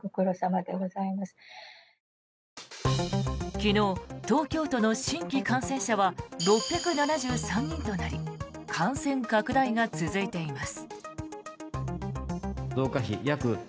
昨日、東京都の新規感染者は６７３人となり感染拡大が続いています。